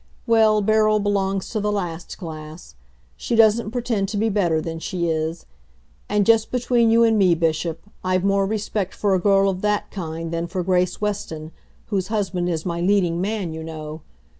Well, Beryl belongs to the last class. She doesn't pretend to be better than she is. And, just between you and me, Bishop, I've more respect for a girl of that kind than for Grace Weston, whose husband is my leading man, you know.